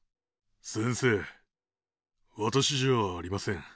先生わたしじゃありません。